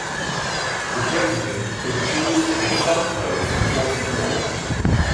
The President could choose to give some codes the force of law.